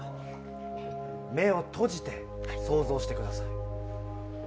目を閉じて、想像してください。